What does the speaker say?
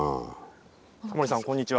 タモリさんこんにちは。